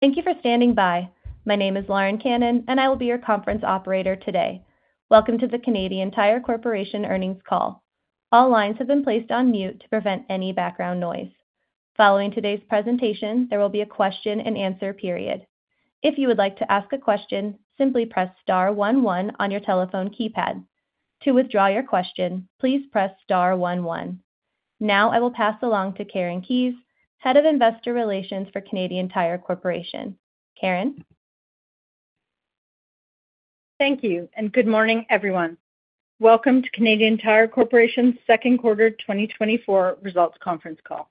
Thank you for standing by. My name is Lauren Cannon, and I will be your conference operator today. Welcome to the Canadian Tire Corporation earnings call. All lines have been placed on mute to prevent any background noise. Following today's presentation, there will be a question-and-answer period. If you would like to ask a question, simply press star one one on your telephone keypad. To withdraw your question, please press star one one. Now I will pass along to Karen Keyes, Head of Investor Relations for Canadian Tire Corporation. Karen? Thank you, and good morning, everyone. Welcome to Canadian Tire Corporation's second quarter 2024 results conference call.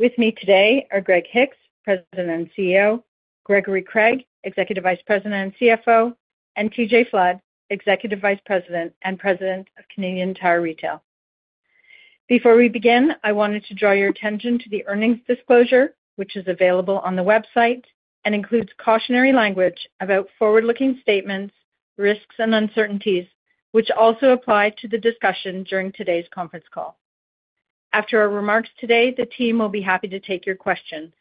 With me today are Greg Hicks, President and CEO, Gregory Craig, Executive Vice President and CFO, and TJ Flood, Executive Vice President and President of Canadian Tire Retail. Before we begin, I wanted to draw your attention to the earnings disclosure, which is available on the website and includes cautionary language about forward-looking statements, risks, and uncertainties, which also apply to the discussion during today's conference call. After our remarks today, the team will be happy to take your questions.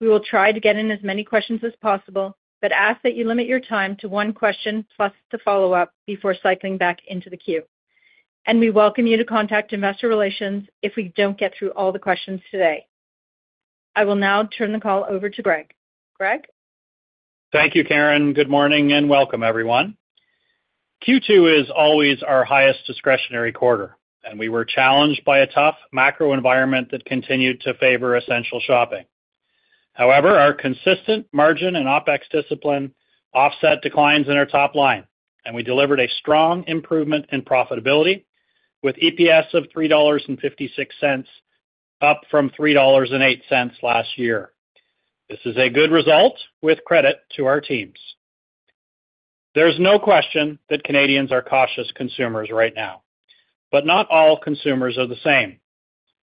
We will try to get in as many questions as possible, but ask that you limit your time to one question plus the follow-up before cycling back into the queue. And we welcome you to contact Investor Relations if we don't get through all the questions today. I will now turn the call over to Greg. Greg? Thank you, Karen. Good morning, and welcome, everyone. Q2 is always our highest discretionary quarter, and we were challenged by a tough macro environment that continued to favor essential shopping. However, our consistent margin and OpEx discipline offset declines in our top line, and we delivered a strong improvement in profitability with EPS of 3.56 dollars, up from 3.08 dollars last year. This is a good result with credit to our teams. There's no question that Canadians are cautious consumers right now, but not all consumers are the same.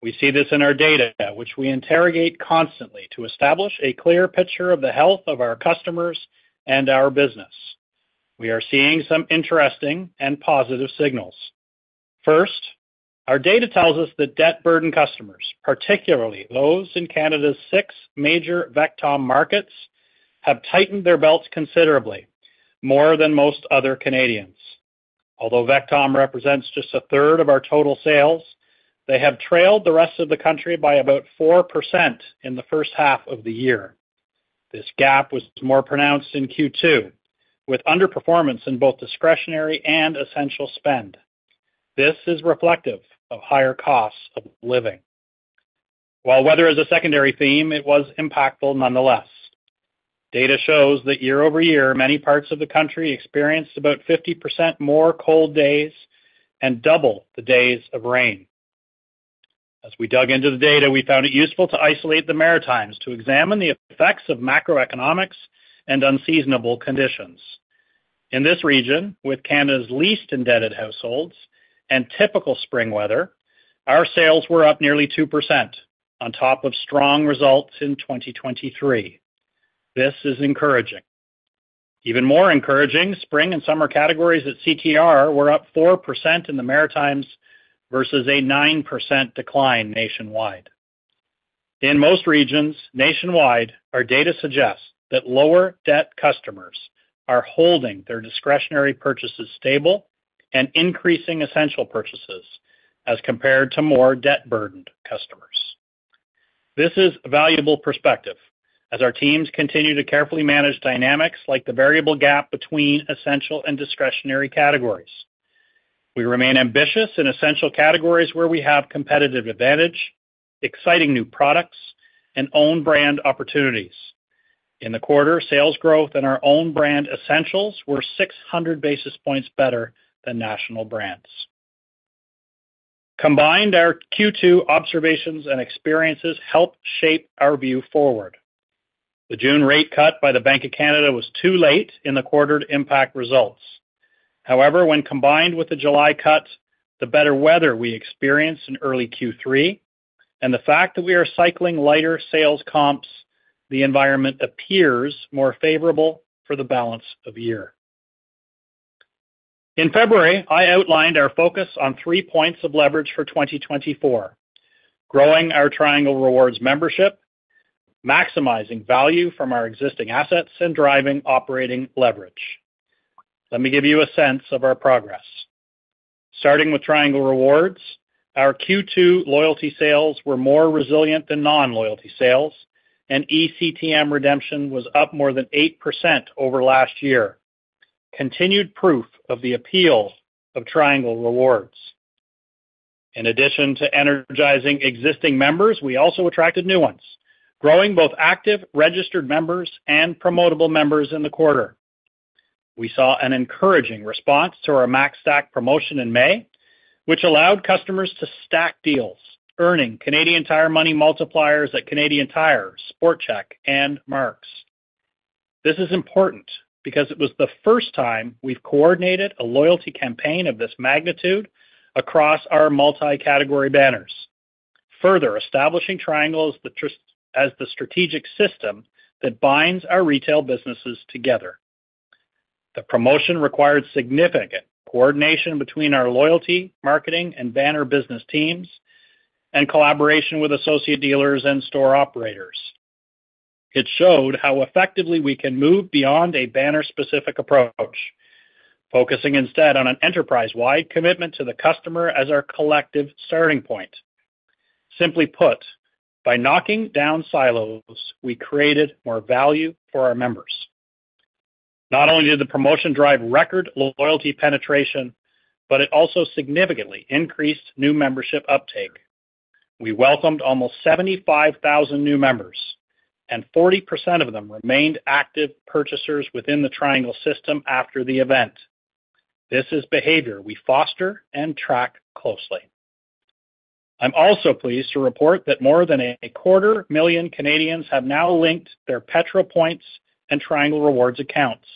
We see this in our data, which we interrogate constantly to establish a clear picture of the health of our customers and our business. We are seeing some interesting and positive signals. First, our data tells us that debt-burdened customers, particularly those in Canada's six major VECTOM markets, have tightened their belts considerably, more than most other Canadians. Although VECTOM represents just a third of our total sales, they have trailed the rest of the country by about 4% in the first half of the year. This gap was more pronounced in Q2, with underperformance in both discretionary and essential spend. This is reflective of higher costs of living. While weather is a secondary theme, it was impactful nonetheless. Data shows that year-over-year, many parts of the country experienced about 50% more cold days and double the days of rain. As we dug into the data, we found it useful to isolate the Maritimes to examine the effects of macroeconomics and unseasonable conditions. In this region, with Canada's least indebted households and typical spring weather, our sales were up nearly 2% on top of strong results in 2023. This is encouraging. Even more encouraging, spring and summer categories at CTR were up 4% in the Maritimes versus a 9% decline nationwide. In most regions nationwide, our data suggests that lower-debt customers are holding their discretionary purchases stable and increasing essential purchases as compared to more debt-burdened customers. This is a valuable perspective as our teams continue to carefully manage dynamics like the variable gap between essential and discretionary categories. We remain ambitious in essential categories where we have competitive advantage, exciting new products, and own brand opportunities. In the quarter, sales growth and our own brand essentials were 600 basis points better than national brands. Combined, our Q2 observations and experiences help shape our view forward. The June rate cut by the Bank of Canada was too late in the quarter to impact results. However, when combined with the July cut, the better weather we experienced in early Q3, and the fact that we are cycling lighter sales comps, the environment appears more favorable for the balance of year. In February, I outlined our focus on three points of leverage for 2024: growing our Triangle Rewards membership, maximizing value from our existing assets, and driving operating leverage. Let me give you a sense of our progress. Starting with Triangle Rewards, our Q2 loyalty sales were more resilient than non-loyalty sales, and ECTM redemption was up more than 8% over last year. Continued proof of the appeal of Triangle Rewards. In addition to energizing existing members, we also attracted new ones, growing both active, registered members and promotable members in the quarter. We saw an encouraging response to our Max Stack promotion in May, which allowed customers to stack deals, earning Canadian Tire money multipliers at Canadian Tire, Sport Chek, and Mark's. This is important because it was the first time we've coordinated a loyalty campaign of this magnitude across our multi-category banners, further establishing Triangle as the trusted strategic system that binds our retail businesses together. The promotion required significant coordination between our loyalty, marketing, and banner business teams, and collaboration with associate dealers and store operators. It showed how effectively we can move beyond a banner-specific approach, focusing instead on an enterprise-wide commitment to the customer as our collective starting point. Simply put, by knocking down silos, we created more value for our members. Not only did the promotion drive record loyalty penetration, but it also significantly increased new membership uptake. We welcomed almost 75,000 new members, and 40% of them remained active purchasers within the Triangle system after the event. This is behavior we foster and track closely. I'm also pleased to report that more than 250,000 Canadians have now linked their Petro Points and Triangle Rewards accounts.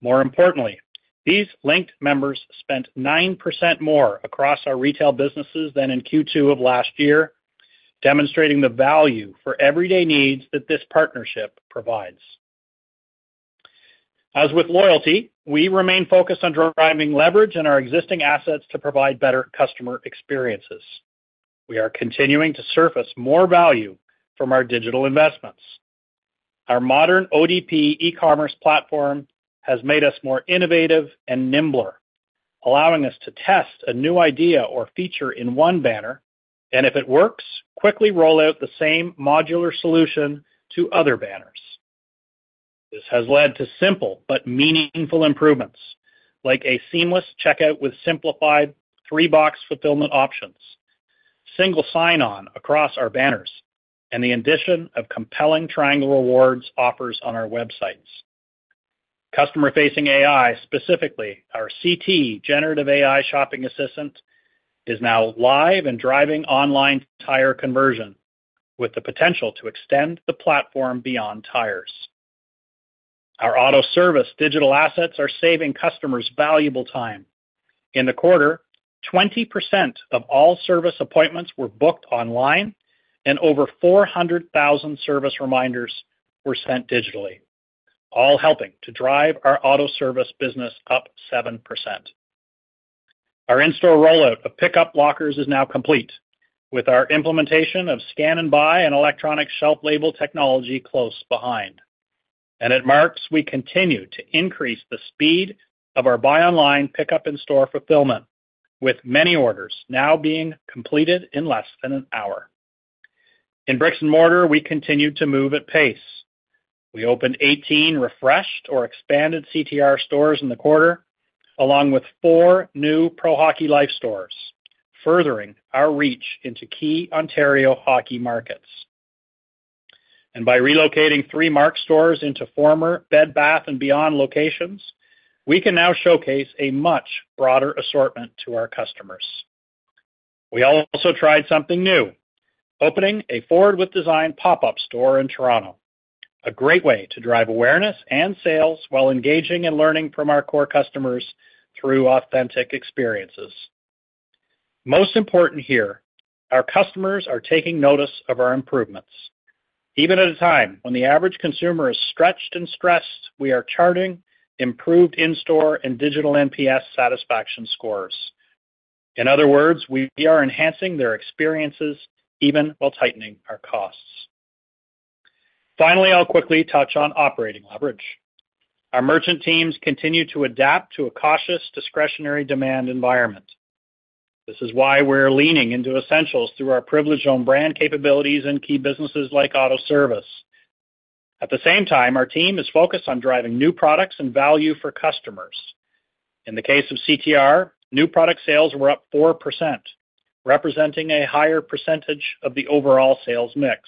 More importantly, these linked members spent 9% more across our retail businesses than in Q2 of last year, demonstrating the value for everyday needs that this partnership provides. As with loyalty, we remain focused on driving leverage in our existing assets to provide better customer experiences. We are continuing to surface more value from our digital investments. Our modern ODP e-commerce platform has made us more innovative and nimbler, allowing us to test a new idea or feature in one banner, and if it works, quickly roll out the same modular solution to other banners. This has led to simple but meaningful improvements, like a seamless checkout with simplified three-box fulfillment options, single sign-on across our banners, and the addition of compelling Triangle Rewards offers on our websites. Customer-facing AI, specifically our CT generative AI shopping assistant, is now live and driving online tire conversion, with the potential to extend the platform beyond tires. Our auto service digital assets are saving customers valuable time. In the quarter, 20% of all service appointments were booked online, and over 400,000 service reminders were sent digitally, all helping to drive our auto service business up 7%. Our in-store rollout of pickup lockers is now complete, with our implementation of Scan & Buy and electronic shelf label technology close behind. At Marks, we continue to increase the speed of our buy online, pickup in-store fulfillment, with many orders now being completed in less than an hour. In bricks and mortar, we continued to move at pace. We opened 18 refreshed or expanded CTR stores in the quarter, along with four new Pro Hockey Life stores, furthering our reach into key Ontario hockey markets. By relocating three Marks stores into former Bed Bath & Beyond locations, we can now showcase a much broader assortment to our customers. We also tried something new, opening a Forward With Design pop-up store in Toronto, a great way to drive awareness and sales while engaging and learning from our core customers through authentic experiences. Most important here, our customers are taking notice of our improvements. Even at a time when the average consumer is stretched and stressed, we are charting improved in-store and digital NPS satisfaction scores. In other words, we are enhancing their experiences even while tightening our costs. Finally, I'll quickly touch on operating leverage. Our merchant teams continue to adapt to a cautious, discretionary demand environment. This is why we're leaning into essentials through our privileged own brand capabilities in key businesses like auto service. At the same time, our team is focused on driving new products and value for customers. In the case of CTR, new product sales were up 4%, representing a higher percentage of the overall sales mix.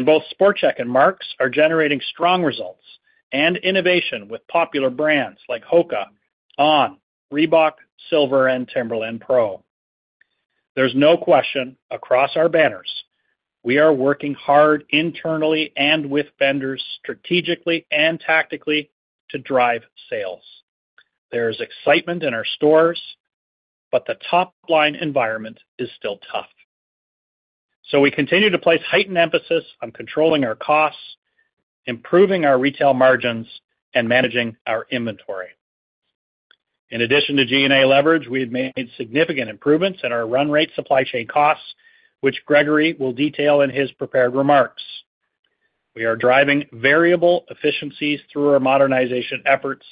Both Sport Chek and Marks are generating strong results and innovation with popular brands like HOKA, On, Reebok, Silver, and Timberland Pro. There's no question, across our banners, we are working hard internally and with vendors, strategically and tactically, to drive sales. There is excitement in our stores, but the top-line environment is still tough. We continue to place heightened emphasis on controlling our costs, improving our retail margins, and managing our inventory. In addition to G&A leverage, we have made significant improvements in our run rate supply chain costs, which Gregory will detail in his prepared remarks. We are driving variable efficiencies through our modernization efforts,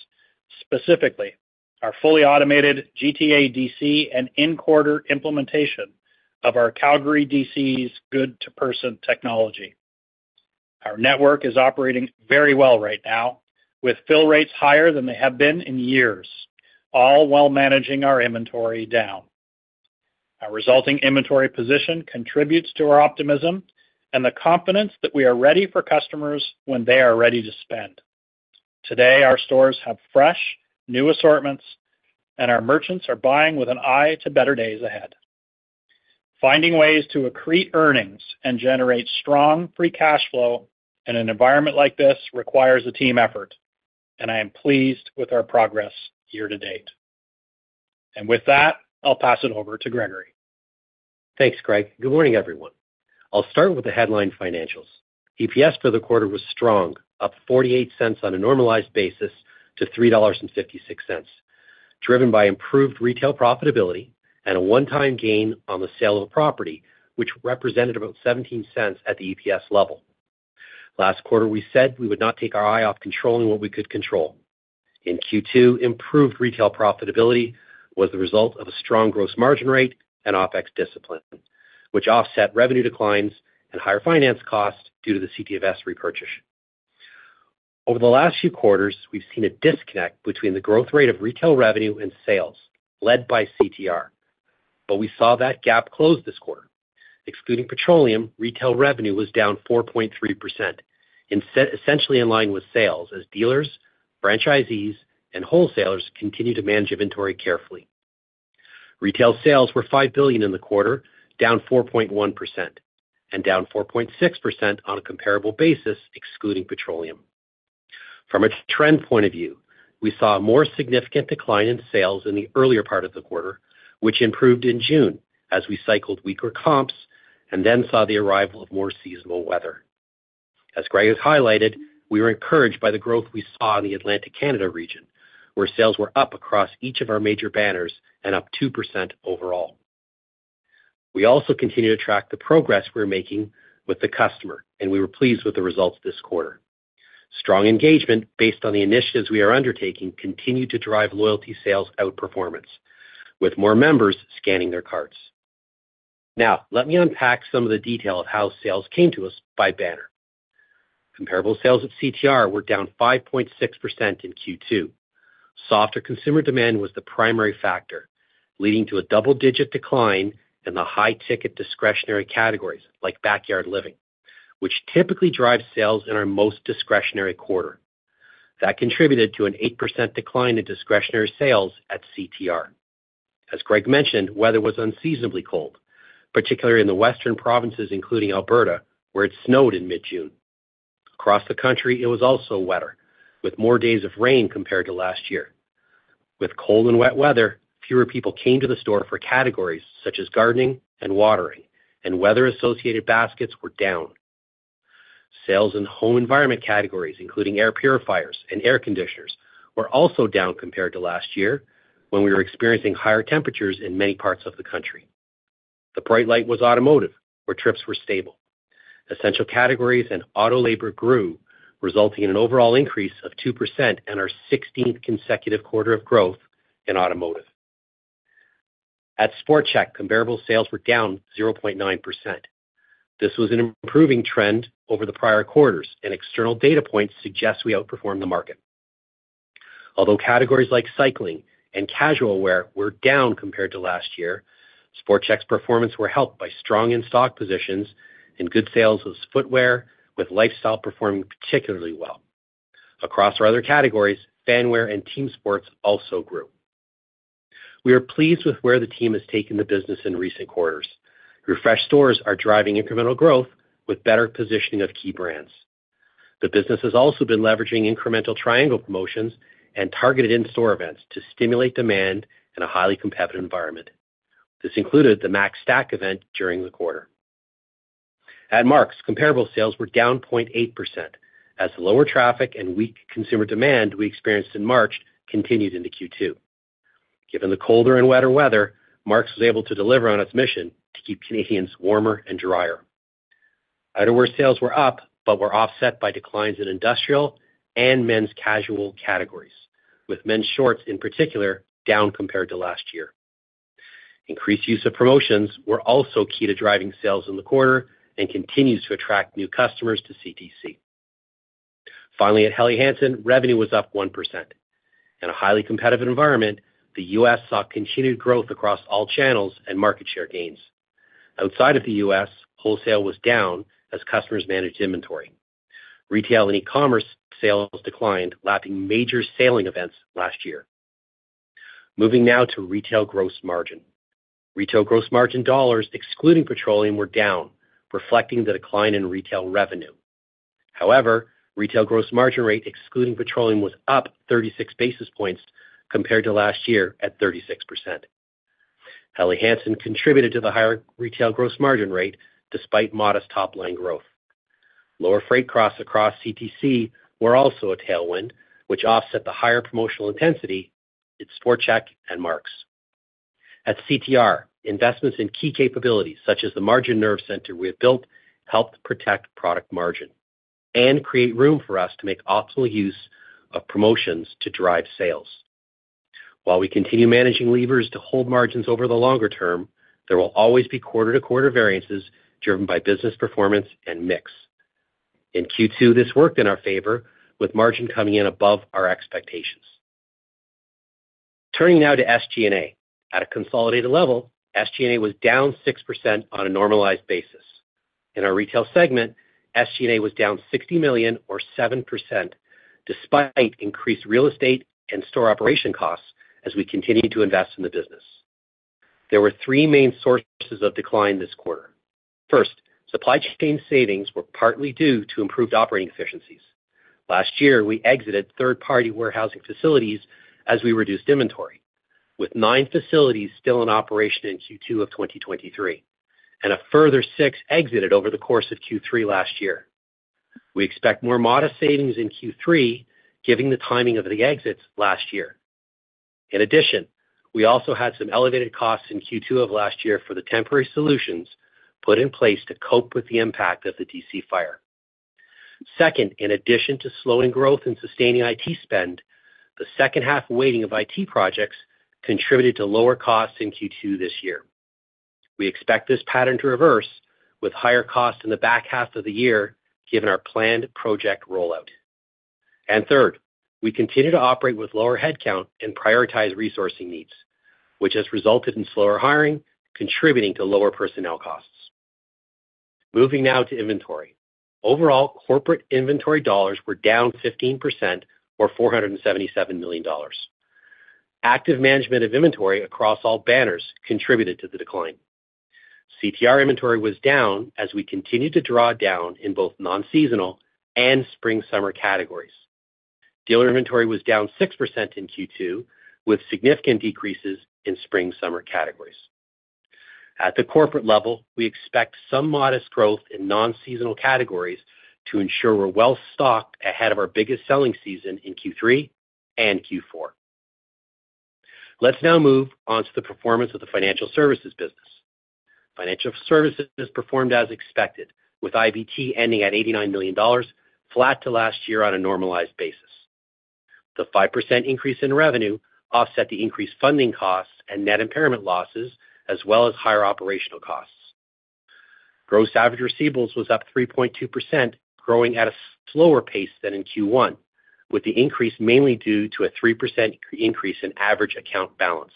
specifically our fully automated GTA DC and in-quarter implementation of our Calgary DC's good-to-person technology. Our network is operating very well right now, with fill rates higher than they have been in years, all while managing our inventory down. Our resulting inventory position contributes to our optimism and the confidence that we are ready for customers when they are ready to spend. Today, our stores have fresh, new assortments, and our merchants are buying with an eye to better days ahead. Finding ways to accrete earnings and generate strong free cash flow in an environment like this requires a team effort, and I am pleased with our progress year to date... With that, I'll pass it over to Gregory. Thanks, Greg. Good morning, everyone. I'll start with the headline financials. EPS for the quarter was strong, up 0.48 on a normalized basis to 3.56 dollars, driven by improved retail profitability and a one-time gain on the sale of a property, which represented about 0.17 at the EPS level. Last quarter, we said we would not take our eye off controlling what we could control. In Q2, improved retail profitability was the result of a strong gross margin rate and OpEx discipline, which offset revenue declines and higher finance costs due to the CTFS repurchase. Over the last few quarters, we've seen a disconnect between the growth rate of retail revenue and sales, led by CTR, but we saw that gap close this quarter. Excluding petroleum, retail revenue was down 4.3%, instead, essentially in line with sales as dealers, franchisees, and wholesalers continued to manage inventory carefully. Retail sales were 5 billion in the quarter, down 4.1% and down 4.6% on a comparable basis, excluding petroleum. From a trend point of view, we saw a more significant decline in sales in the earlier part of the quarter, which improved in June as we cycled weaker comps and then saw the arrival of more seasonal weather. As Greg has highlighted, we were encouraged by the growth we saw in the Atlantic Canada region, where sales were up across each of our major banners and up 2% overall. We also continue to track the progress we're making with the customer, and we were pleased with the results this quarter. Strong engagement based on the initiatives we are undertaking, continued to drive loyalty sales outperformance, with more members scanning their cards. Now, let me unpack some of the detail of how sales came to us by banner. Comparable sales at CTR were down 5.6% in Q2. Softer consumer demand was the primary factor, leading to a double-digit decline in the high-ticket discretionary categories like backyard living, which typically drives sales in our most discretionary quarter. That contributed to an 8% decline in discretionary sales at CTR. As Greg mentioned, weather was unseasonably cold, particularly in the western provinces, including Alberta, where it snowed in mid-June. Across the country, it was also wetter, with more days of rain compared to last year. With cold and wet weather, fewer people came to the store for categories such as gardening and watering, and weather-associated baskets were down. Sales in home environment categories, including air purifiers and air conditioners, were also down compared to last year, when we were experiencing higher temperatures in many parts of the country. The bright light was automotive, where trips were stable. Essential categories and auto labor grew, resulting in an overall increase of 2% and our 16th consecutive quarter of growth in automotive. At Sport Chek, comparable sales were down 0.9%. This was an improving trend over the prior quarters, and external data points suggest we outperformed the market. Although categories like cycling and casual wear were down compared to last year, Sport Chek's performance were helped by strong in-stock positions and good sales of footwear, with lifestyle performing particularly well. Across our other categories, fan wear and team sports also grew. We are pleased with where the team has taken the business in recent quarters. Refreshed stores are driving incremental growth with better positioning of key brands. The business has also been leveraging incremental Triangle promotions and targeted in-store events to stimulate demand in a highly competitive environment. This included the Max Stack event during the quarter. At Mark's, comparable sales were down 0.8%, as the lower traffic and weak consumer demand we experienced in March continued into Q2. Given the colder and wetter weather, Mark's was able to deliver on its mission to keep Canadians warmer and drier. Outerwear sales were up, but were offset by declines in industrial and men's casual categories, with men's shorts, in particular, down compared to last year. Increased use of promotions were also key to driving sales in the quarter and continues to attract new customers to CTC. Finally, at Helly Hansen, revenue was up 1%. In a highly competitive environment, the U.S. saw continued growth across all channels and market share gains. Outside of the U.S., wholesale was down as customers managed inventory. Retail and e-commerce sales declined, lapping major sailing events last year. Moving now to retail gross margin. Retail gross margin dollars, excluding petroleum, were down, reflecting the decline in retail revenue. However, retail gross margin rate, excluding petroleum, was up 36 basis points compared to last year at 36%. Helly Hansen contributed to the higher retail gross margin rate despite modest top-line growth. Lower freight costs across CTC were also a tailwind, which offset the higher promotional intensity in Sport Chek and Mark's. At CTR, investments in key capabilities, such as the margin nerve center we have built, helped protect product margin and create room for us to make optimal use of promotions to drive sales. While we continue managing levers to hold margins over the longer term, there will always be quarter-to-quarter variances driven by business performance and mix. In Q2, this worked in our favor, with margin coming in above our expectations. Turning now to SG&A. At a consolidated level, SG&A was down 6% on a normalized basis. In our retail segment, SG&A was down 60 million or 7%, despite increased real estate and store operation costs as we continued to invest in the business. There were three main sources of decline this quarter. First, supply chain savings were partly due to improved operating efficiencies. Last year, we exited third-party warehousing facilities as we reduced inventory, with nine facilities still in operation in Q2 of 2023, and a further six exited over the course of Q3 last year. We expect more modest savings in Q3, given the timing of the exits last year. In addition, we also had some elevated costs in Q2 of last year for the temporary solutions put in place to cope with the impact of the DC fire. Second, in addition to slowing growth and sustaining IT spend, the second half weighting of IT projects contributed to lower costs in Q2 this year. We expect this pattern to reverse, with higher costs in the back half of the year, given our planned project rollout. And third, we continue to operate with lower headcount and prioritize resourcing needs, which has resulted in slower hiring, contributing to lower personnel costs. Moving now to inventory. Overall, corporate inventory dollars were down 15%, or 477 million dollars. Active management of inventory across all banners contributed to the decline. CTR inventory was down as we continued to draw down in both non-seasonal and spring/summer categories. Dealer inventory was down 6% in Q2, with significant decreases in spring/summer categories. At the corporate level, we expect some modest growth in non-seasonal categories to ensure we're well stocked ahead of our biggest selling season in Q3 and Q4. Let's now move on to the performance of the financial services business. Financial services performed as expected, with IBT ending at 89 million dollars, flat to last year on a normalized basis. The 5% increase in revenue offset the increased funding costs and net impairment losses, as well as higher operational costs. Gross average receivables was up 3.2%, growing at a slower pace than in Q1, with the increase mainly due to a 3% increase in average account balance.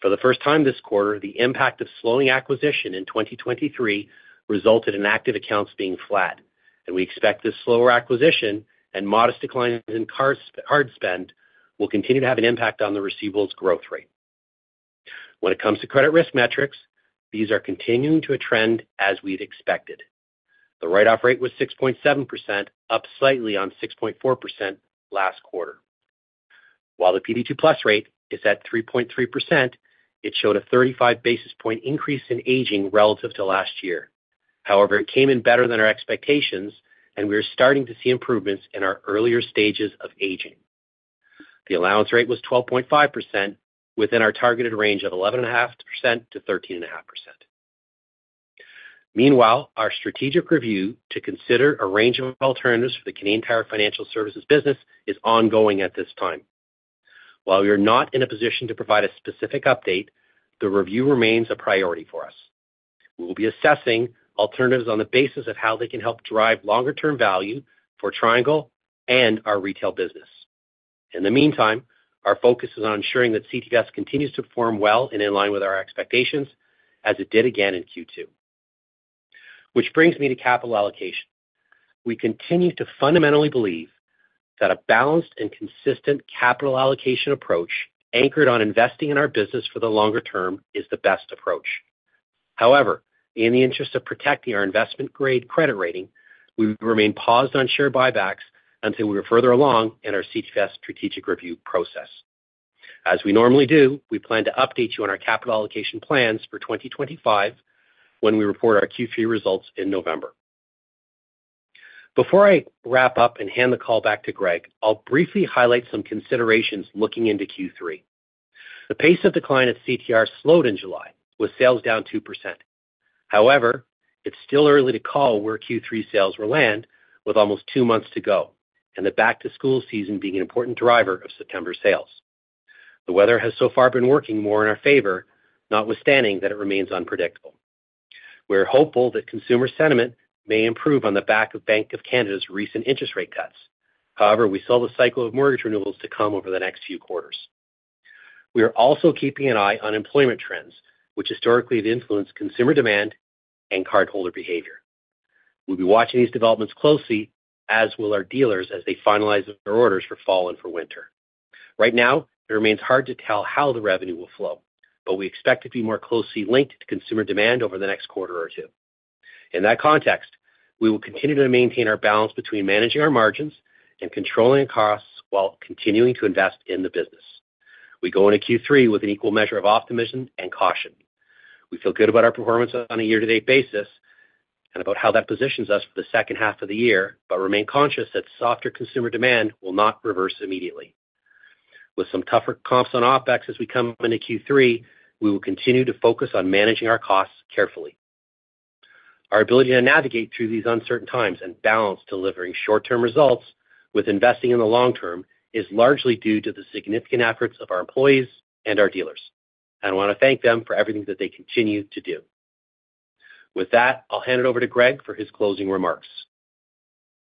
For the first time this quarter, the impact of slowing acquisition in 2023 resulted in active accounts being flat, and we expect this slower acquisition and modest declines in card spend will continue to have an impact on the receivables growth rate. When it comes to credit risk metrics, these are continuing to trend as we've expected. The write-off rate was 6.7%, up slightly on 6.4% last quarter. While the PD2+ rate is at 3.3%, it showed a 35 basis point increase in aging relative to last year. However, it came in better than our expectations, and we are starting to see improvements in our earlier stages of aging. The allowance rate was 12.5%, within our targeted range of 11.5%-13.5%. Meanwhile, our strategic review to consider a range of alternatives for the Canadian Tire Financial Services business is ongoing at this time. While we are not in a position to provide a specific update, the review remains a priority for us. We will be assessing alternatives on the basis of how they can help drive longer-term value for Triangle and our retail business. In the meantime, our focus is on ensuring that CTFS continues to perform well and in line with our expectations, as it did again in Q2. Which brings me to capital allocation. We continue to fundamentally believe that a balanced and consistent capital allocation approach, anchored on investing in our business for the longer term, is the best approach. However, in the interest of protecting our investment-grade credit rating, we remain paused on share buybacks until we are further along in our CTFS strategic review process. As we normally do, we plan to update you on our capital allocation plans for 2025 when we report our Q3 results in November. Before I wrap up and hand the call back to Greg, I'll briefly highlight some considerations looking into Q3. The pace of decline at CTR slowed in July, with sales down 2%. However, it's still early to call where Q3 sales will land, with almost 2 months to go and the back-to-school season being an important driver of September sales. The weather has so far been working more in our favor, notwithstanding that it remains unpredictable. We're hopeful that consumer sentiment may improve on the back of Bank of Canada's recent interest rate cuts. However, we saw the cycle of mortgage renewals to come over the next few quarters. We are also keeping an eye on employment trends, which historically have influenced consumer demand and cardholder behavior. We'll be watching these developments closely, as will our dealers, as they finalize their orders for fall and for winter. Right now, it remains hard to tell how the revenue will flow, but we expect to be more closely linked to consumer demand over the next quarter or two. In that context, we will continue to maintain our balance between managing our margins and controlling costs while continuing to invest in the business. We go into Q3 with an equal measure of optimism and caution. We feel good about our performance on a year-to-date basis and about how that positions us for the second half of the year, but remain conscious that softer consumer demand will not reverse immediately. With some tougher comps on OpEx as we come into Q3, we will continue to focus on managing our costs carefully. Our ability to navigate through these uncertain times and balance delivering short-term results with investing in the long term is largely due to the significant efforts of our employees and our dealers, and I want to thank them for everything that they continue to do. With that, I'll hand it over to Greg for his closing remarks.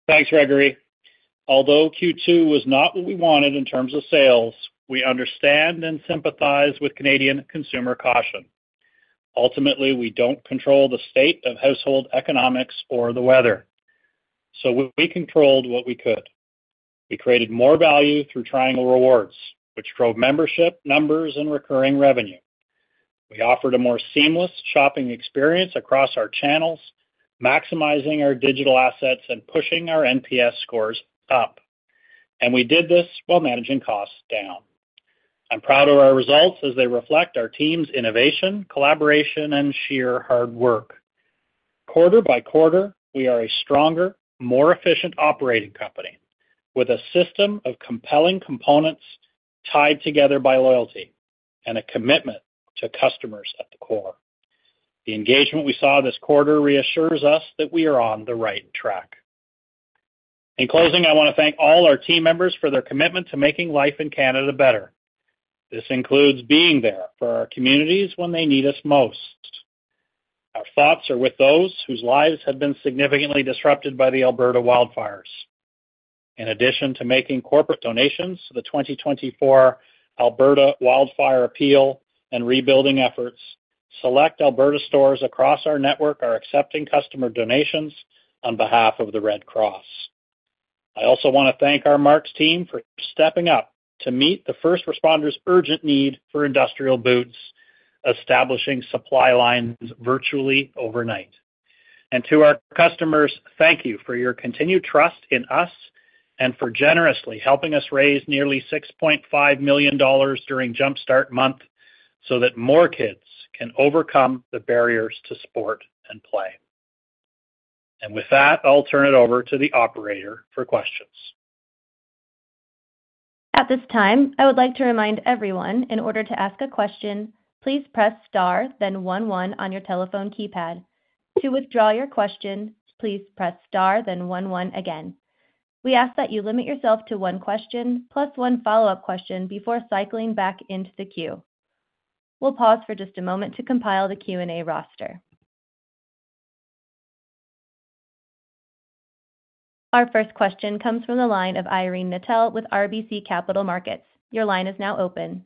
Thanks, Gregory. Although Q2 was not what we wanted in terms of sales, we understand and sympathize with Canadian consumer caution. Ultimately, we don't control the state of household economics or the weather.... so we controlled what we could. We created more value through Triangle Rewards, which drove membership numbers and recurring revenue. We offered a more seamless shopping experience across our channels, maximizing our digital assets and pushing our NPS scores up, and we did this while managing costs down. I'm proud of our results as they reflect our team's innovation, collaboration, and sheer hard work. Quarter by quarter, we are a stronger, more efficient operating company with a system of compelling components tied together by loyalty and a commitment to customers at the core. The engagement we saw this quarter reassures us that we are on the right track. In closing, I want to thank all our team members for their commitment to making life in Canada better. This includes being there for our communities when they need us most. Our thoughts are with those whose lives have been significantly disrupted by the Alberta wildfires. In addition to making corporate donations to the 2024 Alberta Wildfire Appeal and rebuilding efforts, select Alberta stores across our network are accepting customer donations on behalf of the Red Cross. I also want to thank our Marks team for stepping up to meet the first responders' urgent need for industrial boots, establishing supply lines virtually overnight. And to our customers, thank you for your continued trust in us and for generously helping us raise nearly 6.5 million dollars during Jumpstart Month, so that more kids can overcome the barriers to sport and play. And with that, I'll turn it over to the operator for questions. At this time, I would like to remind everyone, in order to ask a question, please press star, then one, one on your telephone keypad. To withdraw your question, please press star then one, one again. We ask that you limit yourself to one question, plus one follow-up question before cycling back into the queue. We'll pause for just a moment to compile the Q&A roster. Our first question comes from the line of Irene Nattel with RBC Capital Markets. Your line is now open.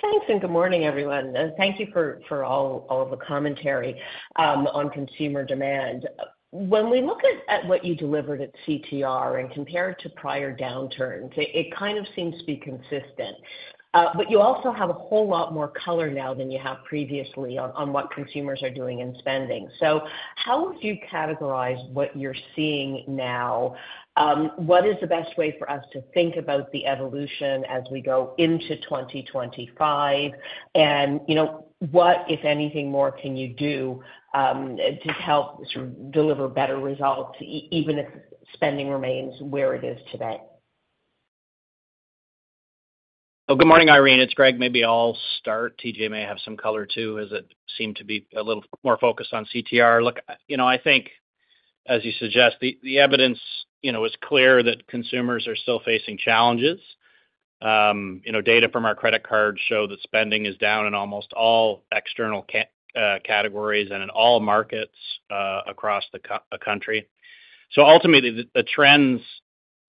Thanks, and good morning, everyone, and thank you for all of the commentary on consumer demand. When we look at what you delivered at CTR and compare it to prior downturns, it kind of seems to be consistent. But you also have a whole lot more color now than you have previously on what consumers are doing and spending. So how would you categorize what you're seeing now? What is the best way for us to think about the evolution as we go into 2025? And, you know, what, if anything, more can you do to help sort of deliver better results, even if spending remains where it is today? Well, good morning, Irene. It's Greg. Maybe I'll start. TJ may have some color, too, as it seemed to be a little more focused on CTR. Look, you know, I think, as you suggest, the evidence, you know, is clear that consumers are still facing challenges. You know, data from our credit cards show that spending is down in almost all external categories and in all markets across the country. So ultimately, the trends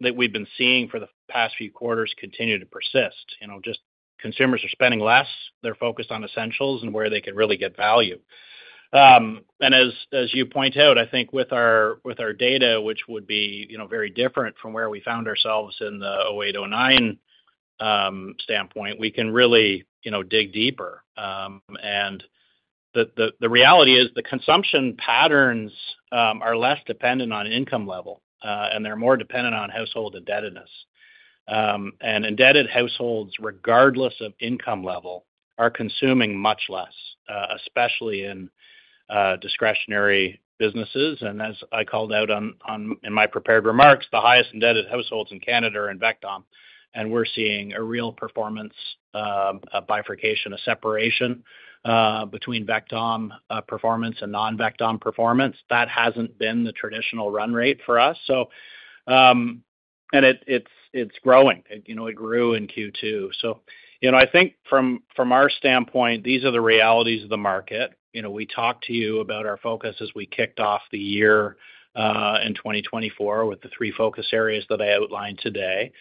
that we've been seeing for the past few quarters continue to persist. You know, just consumers are spending less. They're focused on essentials and where they could really get value. And as you point out, I think with our data, which would be, you know, very different from where we found ourselves in the 2008, 2009 standpoint, we can really, you know, dig deeper. And the reality is the consumption patterns are less dependent on income level, and they're more dependent on household indebtedness. And indebted households, regardless of income level, are consuming much less, especially in discretionary businesses. And as I called out in my prepared remarks, the highest indebted households in Canada are in VECTOM, and we're seeing a real performance, a bifurcation, a separation, between VECTOM performance and non-VECTOM performance. That hasn't been the traditional run rate for us. So, and it's growing. You know, it grew in Q2. So, you know, I think from our standpoint, these are the realities of the market. You know, we talked to you about our focus as we kicked off the year in 2024, with the three focus areas that I outlined today.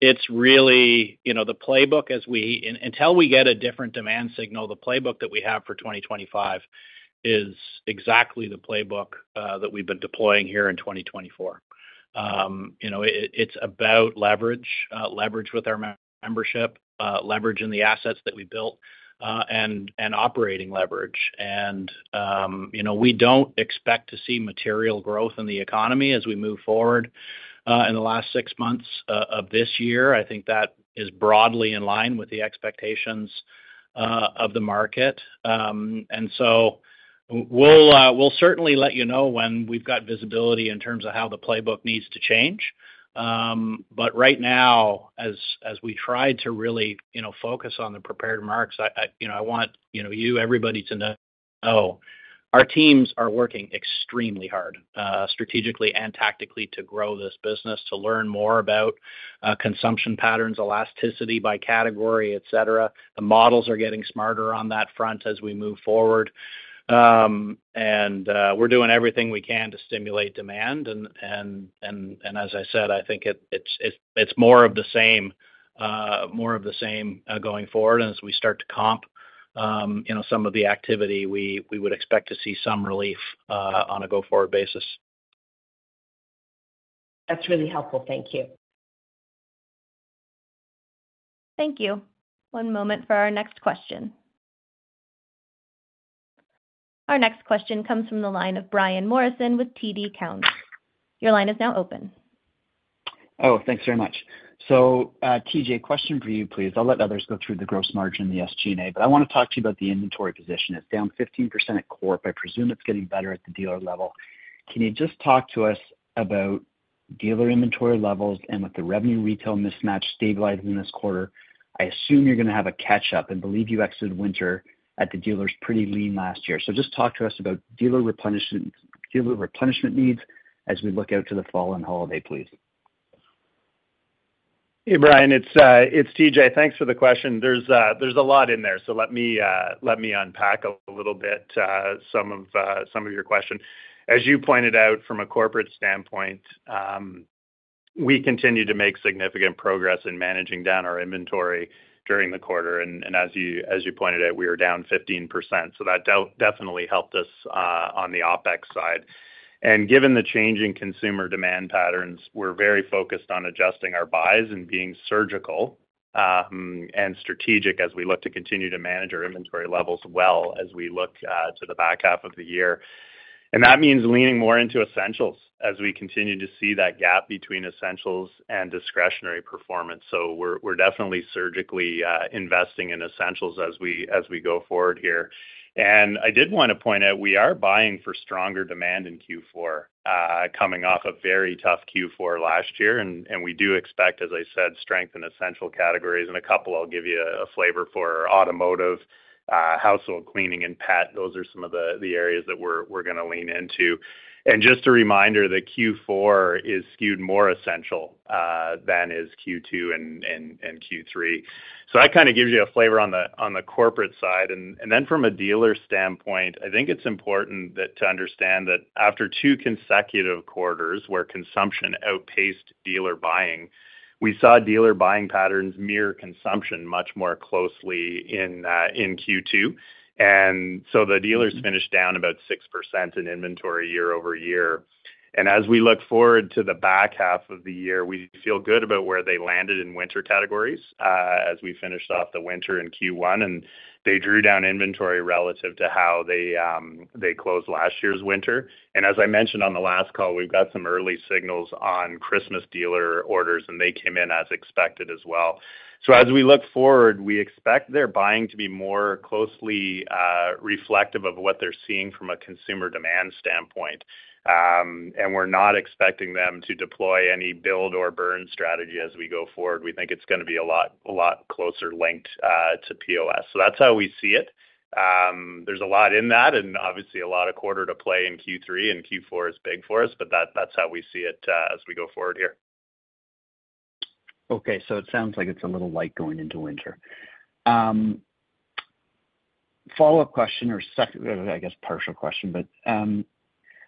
It's really, you know, the playbook until we get a different demand signal. The playbook that we have for 2025 is exactly the playbook that we've been deploying here in 2024. You know, it's about leverage, leverage with our membership, leverage in the assets that we built, and operating leverage. You know, we don't expect to see material growth in the economy as we move forward in the last six months of this year. I think that is broadly in line with the expectations of the market. And so we'll certainly let you know when we've got visibility in terms of how the playbook needs to change. But right now, as we try to really, you know, focus on the prepared remarks, I, you know, I want, you know, you, everybody to know, our teams are working extremely hard, strategically and tactically to grow this business, to learn more about consumption patterns, elasticity by category, et cetera. The models are getting smarter on that front as we move forward. And we're doing everything we can to stimulate demand. And as I said, I think it's more of the same, more of the same, going forward. And as we start to comp- ... you know, some of the activity, we would expect to see some relief on a go-forward basis. That's really helpful. Thank you. Thank you. One moment for our next question. Our next question comes from the line of Brian Morrison with TD Cowen. Your line is now open. Oh, thanks very much. So, TJ, question for you, please. I'll let others go through the gross margin, the SG&A, but I wanna talk to you about the inventory position. It's down 15% at corp. I presume it's getting better at the dealer level. Can you just talk to us about dealer inventory levels and with the revenue retail mismatch stabilizing this quarter, I assume you're gonna have a catch-up and believe you exited winter at the dealers pretty lean last year. So just talk to us about dealer replenishing, dealer replenishment needs as we look out to the fall and holiday, please. Hey, Brian, it's TJ. Thanks for the question. There's a lot in there, so let me unpack a little bit, some of your question. As you pointed out, from a corporate standpoint, we continue to make significant progress in managing down our inventory during the quarter, and as you pointed out, we are down 15%, so that definitely helped us on the OpEx side. And given the changing consumer demand patterns, we're very focused on adjusting our buys and being surgical and strategic as we look to continue to manage our inventory levels well, as we look to the back half of the year. And that means leaning more into essentials as we continue to see that gap between essentials and discretionary performance. So we're definitely surgically investing in essentials as we go forward here. And I did wanna point out, we are buying for stronger demand in Q4, coming off a very tough Q4 last year, and we do expect, as I said, strength in essential categories. And a couple, I'll give you a flavor for automotive, household cleaning and pet. Those are some of the areas that we're gonna lean into. And just a reminder that Q4 is skewed more essential than is Q2 and Q3. So that kind of gives you a flavor on the corporate side. And then from a dealer standpoint, I think it's important to understand that after two consecutive quarters where consumption outpaced dealer buying, we saw dealer buying patterns mirror consumption much more closely in Q2. The dealers finished down about 6% in inventory year-over-year. As we look forward to the back half of the year, we feel good about where they landed in winter categories, as we finished off the winter in Q1, and they drew down inventory relative to how they closed last year's winter. As I mentioned on the last call, we've got some early signals on Christmas dealer orders, and they came in as expected as well. As we look forward, we expect their buying to be more closely reflective of what they're seeing from a consumer demand standpoint. We're not expecting them to deploy any build or burn strategy as we go forward. We think it's gonna be a lot closer linked to POS. That's how we see it. There's a lot in that, and obviously a lot of quarter to play in Q3, and Q4 is big for us, but that's how we see it, as we go forward here. Okay, so it sounds like it's a little light going into winter. Follow-up question or, I guess partial question, but,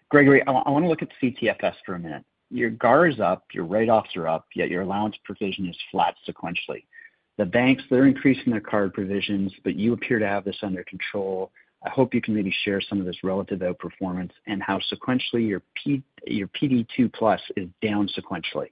Gregory, I wanna look at CTFS for a minute. Your GAR is up, your write-offs are up, yet your allowance provision is flat sequentially. The banks, they're increasing their card provisions, but you appear to have this under control. I hope you can maybe share some of this relative outperformance and how sequentially your PD2+ is down sequentially.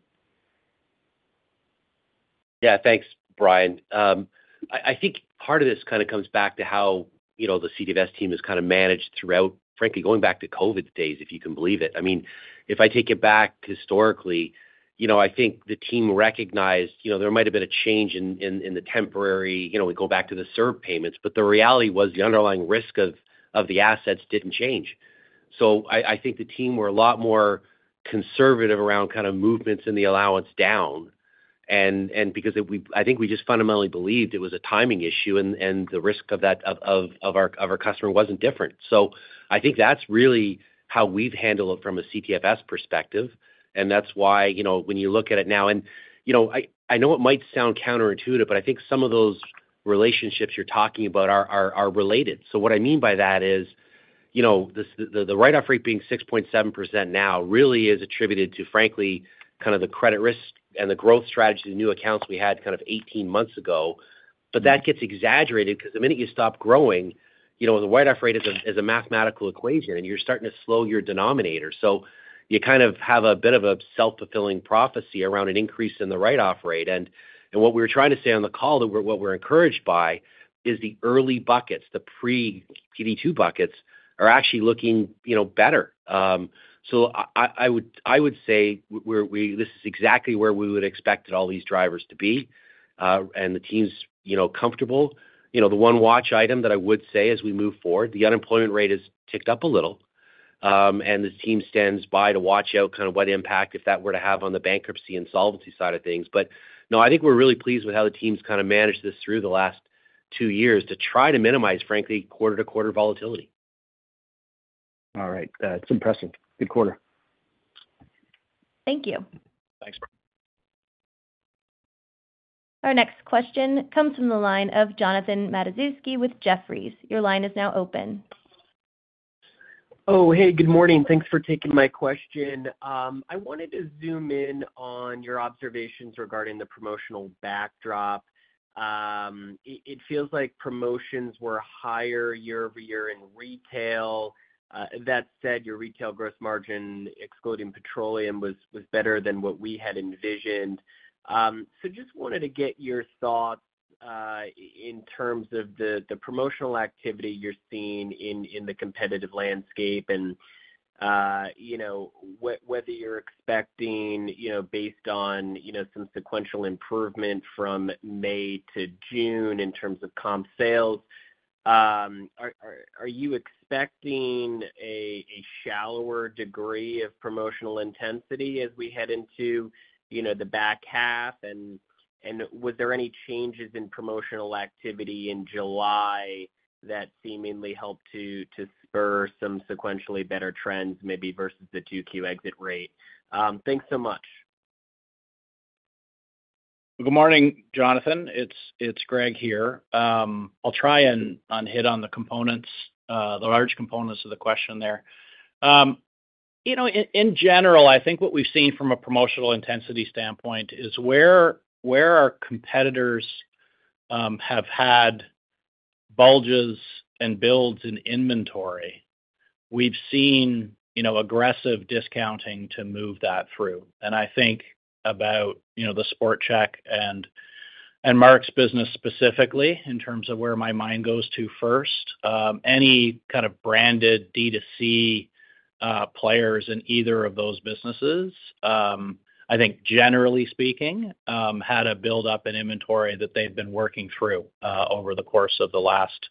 Yeah. Thanks, Brian. I think part of this kind of comes back to how, you know, the CTFS team has kind of managed throughout, frankly, going back to COVID days, if you can believe it. I mean, if I take it back historically, you know, I think the team recognized, you know, there might have been a change in the temporary, you know, we go back to the CERB payments, but the reality was the underlying risk of the assets didn't change. So I think the team were a lot more conservative around kind of movements in the allowance down, and because we-- I think we just fundamentally believed it was a timing issue, and the risk of that, of our customer wasn't different. So I think that's really how we've handled it from a CTFS perspective, and that's why, you know, when you look at it now. And, you know, I know it might sound counterintuitive, but I think some of those relationships you're talking about are related. So what I mean by that is, you know, the write-off rate being 6.7% now really is attributed to, frankly, kind of the credit risk and the growth strategy, the new accounts we had kind of 18 months ago. But that gets exaggerated because the minute you stop growing, you know, the write-off rate is a mathematical equation, and you're starting to slow your denominator. So you kind of have a bit of a self-fulfilling prophecy around an increase in the write-off rate. What we were trying to say on the call, that we're, what we're encouraged by, is the early buckets, the pre-PD2 buckets, are actually looking, you know, better. So I would say we're this is exactly where we would expect all these drivers to be. And the team's, you know, comfortable. You know, the one watch item that I would say as we move forward, the unemployment rate has ticked up a little, and this team stands by to watch out kind of what impact if that were to have on the bankruptcy and solvency side of things. But no, I think we're really pleased with how the team's kind of managed this through the last two years to try to minimize, frankly, quarter-to-quarter volatility. All right. It's impressive. Good quarter. Thank you. Thanks, Brian. Our next question comes from the line of Jonathan Matuszewski with Jefferies. Your line is now open.... Oh, hey, good morning. Thanks for taking my question. I wanted to zoom in on your observations regarding the promotional backdrop. It feels like promotions were higher year-over-year in retail. That said, your retail gross margin, excluding petroleum, was better than what we had envisioned. So just wanted to get your thoughts in terms of the promotional activity you're seeing in the competitive landscape and, you know, whether you're expecting, you know, based on, you know, some sequential improvement from May to June in terms of comp sales. Are you expecting a shallower degree of promotional intensity as we head into, you know, the back half? was there any changes in promotional activity in July that seemingly helped to spur some sequentially better trends, maybe versus the 2Q exit rate? Thanks so much. Good morning, Jonathan. It's Greg here. I'll try and hit on the components, the large components of the question there. You know, in general, I think what we've seen from a promotional intensity standpoint is where our competitors have had bulges and builds in inventory, we've seen, you know, aggressive discounting to move that through. And I think about, you know, the Sport Chek and Mark's business specifically in terms of where my mind goes to first. Any kind of branded D2C players in either of those businesses, I think generally speaking had a build up in inventory that they've been working through over the course of the last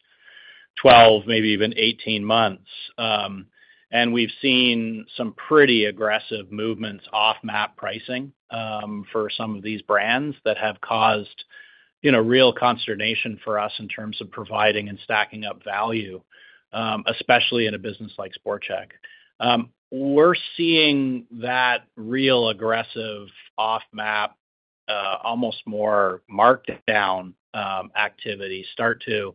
12, maybe even 18 months. And we've seen some pretty aggressive movements off map pricing, for some of these brands that have caused, you know, real consternation for us in terms of providing and stacking up value, especially in a business like Sport Chek. We're seeing that real aggressive off map, almost more marked down, activity start to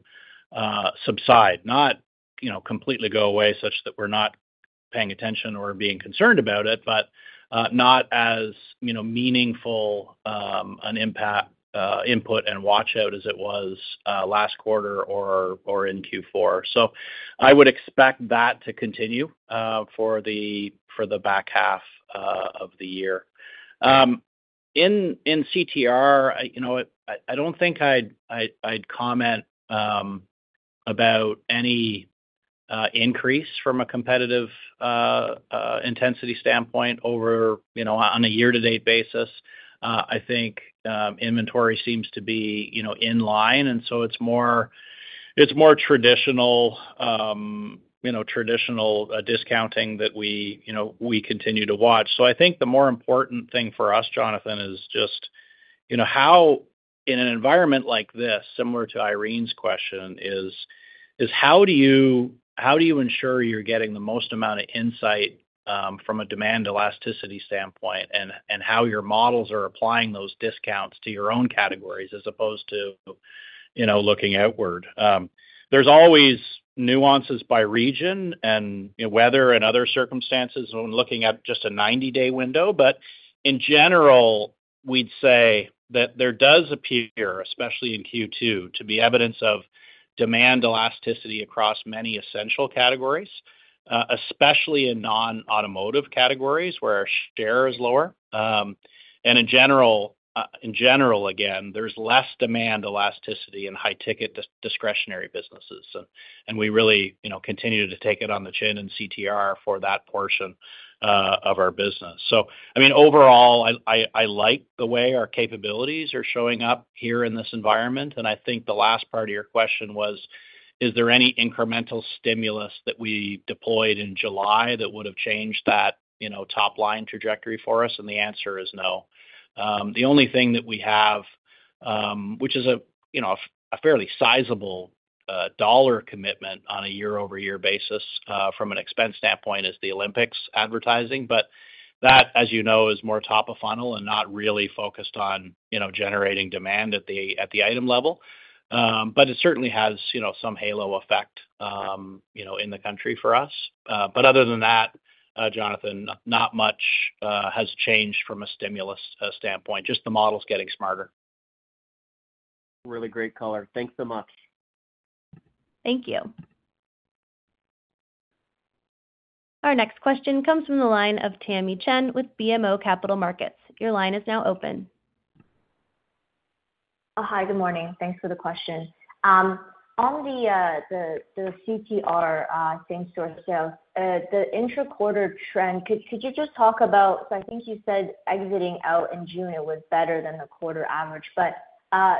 subside, not, you know, completely go away such that we're not paying attention or being concerned about it, but, not as, you know, meaningful, an impact-input and watch out as it was, last quarter or, or in Q4. So I would expect that to continue, for the, for the back half, of the year. In, in CTR, I, you know what? I don't think I'd comment about any increase from a competitive intensity standpoint over, you know, on a year to date basis. I think inventory seems to be, you know, in line, and so it's more traditional, you know, traditional discounting that we, you know, we continue to watch. So I think the more important thing for us, Jonathan, is just, you know, how in an environment like this, similar to Irene's question, is how do you ensure you're getting the most amount of insight from a demand elasticity standpoint, and how your models are applying those discounts to your own categories as opposed to, you know, looking outward? There's always nuances by region and, you know, weather and other circumstances when looking at just a 90-day window. But in general, we'd say that there does appear, especially in Q2, to be evidence of demand elasticity across many essential categories, especially in non-automotive categories, where our share is lower. And in general, again, there's less demand elasticity in high ticket discretionary businesses. And we really, you know, continue to take it on the chin and CTR for that portion of our business. So I mean, overall, I like the way our capabilities are showing up here in this environment. And I think the last part of your question was, is there any incremental stimulus that we deployed in July that would have changed that, you know, top line trajectory for us? And the answer is no. The only thing that we have, which is, you know, a fairly sizable dollar commitment on a year-over-year basis, from an expense standpoint, is the Olympics advertising. But that, as you know, is more top of funnel and not really focused on, you know, generating demand at the item level. But it certainly has, you know, some halo effect, you know, in the country for us. But other than that, Jonathan, not much has changed from a stimulus standpoint, just the model's getting smarter. Really great color. Thanks so much. Thank you. Our next question comes from the line of Tamy Chen with BMO Capital Markets. Your line is now open. Hi, good morning. Thanks for the question. On the CTR same-store sale, the intra-quarter trend, could you just talk about, so I think you said exiting out in June was better than the quarter average, but,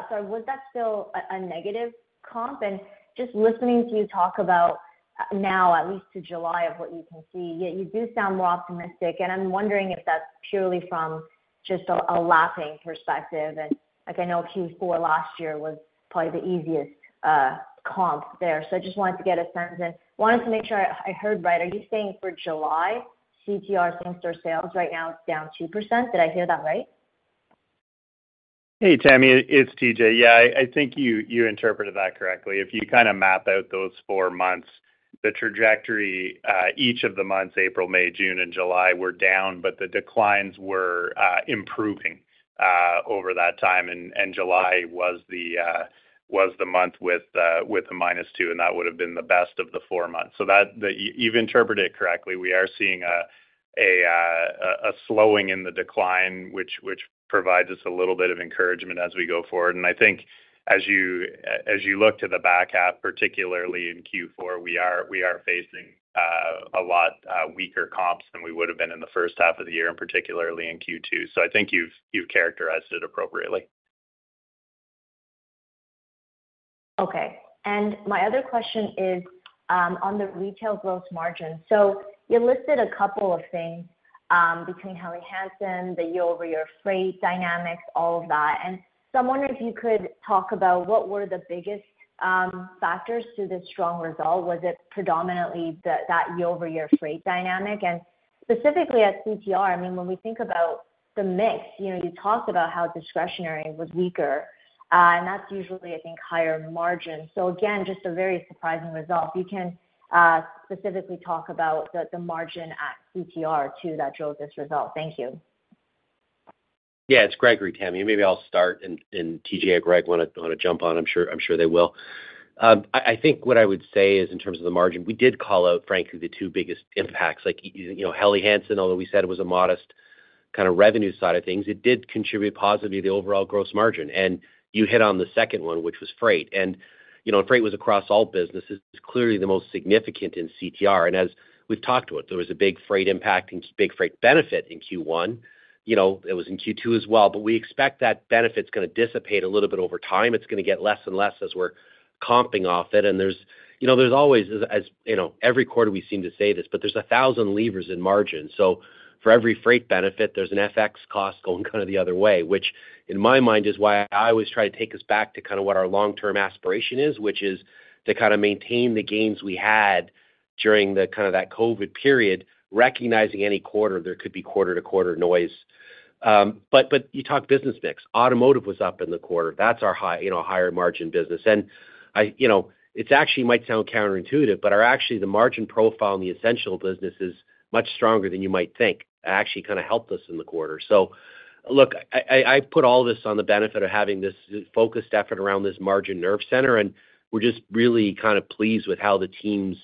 so was that still a negative comp? And just listening to you talk about now, at least to July, of what you can see, yeah, you do sound more optimistic, and I'm wondering if that's purely from just a lapsing perspective. And like, I know Q4 last year was probably the easiest comp there. So I just wanted to get a sense and wanted to make sure I heard right. Are you saying for July, CTR same-store sales right now is down 2%? Did I hear that right?... Hey, Tammy, it's TJ. Yeah, I think you interpreted that correctly. If you kind of map out those four months, the trajectory, each of the months, April, May, June, and July, were down, but the declines were improving over that time. And July was the month with the -2, and that would have been the best of the four months. So that, you've interpreted it correctly. We are seeing a slowing in the decline, which provides us a little bit of encouragement as we go forward. And I think as you look to the back half, particularly in Q4, we are facing a lot weaker comps than we would have been in the first half of the year, and particularly in Q2. I think you've characterized it appropriately. Okay. And my other question is, on the retail growth margin. So you listed a couple of things, between Helly Hansen, the year-over-year freight dynamics, all of that. And so I wonder if you could talk about what were the biggest, factors to this strong result? Was it predominantly the, that year-over-year freight dynamic? And specifically at CTR, I mean, when we think about the mix, you know, you talked about how discretionary was weaker, and that's usually, I think, higher margin. So again, just a very surprising result. If you can, specifically talk about the, the margin at CTR, too, that drove this result. Thank you. Yeah, it's Gregory, Tammy, and maybe I'll start, and TJ or Greg wanna jump on, I'm sure they will. I think what I would say is in terms of the margin, we did call out, frankly, the two biggest impacts, like you know, Helly Hansen, although we said it was a modest kind of revenue side of things, it did contribute positively to the overall gross margin. And you hit on the second one, which was freight. And, you know, freight was across all businesses. It's clearly the most significant in CTR. And as we've talked to it, there was a big freight impact and big freight benefit in Q1. You know, it was in Q2 as well, but we expect that benefit's gonna dissipate a little bit over time. It's gonna get less and less as we're comping off it. There's, you know, there's always, you know, every quarter we seem to say this, but there's a thousand levers in margin. So for every freight benefit, there's an FX cost going kind of the other way, which, in my mind, is why I always try to take us back to kind of what our long-term aspiration is, which is to kind of maintain the gains we had during the kind of that COVID period, recognizing any quarter there could be quarter-to-quarter noise. But you talk business mix. Automotive was up in the quarter. That's our high, you know, higher margin business. And I you know, it's actually might sound counterintuitive, but our actually, the margin profile in the essential business is much stronger than you might think. It actually kind of helped us in the quarter. So look, I put all this on the benefit of having this focused effort around this margin nerve center, and we're just really kind of pleased with how the teams